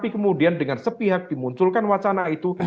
kemudian dengan sepihak dimunculkan wacana itu